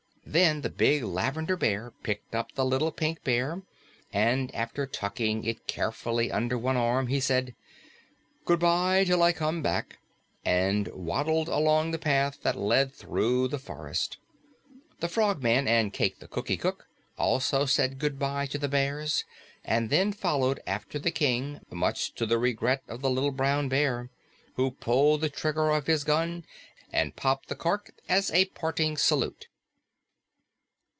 Then the big Lavender Bear picked up the little Pink Bear, and after tucking it carefully under one arm, he said, "Goodbye till I come back!" and waddled along the path that led through the forest. The Frogman and Cayke the Cookie Cook also said goodbye to the bears and then followed after the King, much to the regret of the little Brown Bear, who pulled the trigger of his gun and popped the cork as a parting salute.